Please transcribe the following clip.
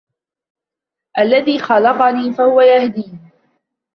الَّذِي خَلَقَنِي فَهُوَ يَهْدِينِ